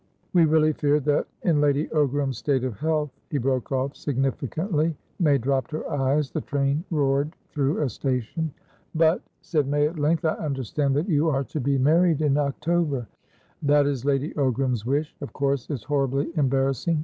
"We really feared that, in Lady Ogram's state of health" He broke off significantly. May dropped her eyes. The train roared through a station. "But," said May at length, "I understand that you are to be married in October." "That is Lady Ogram's wish. Of course it's horribly embarrassing.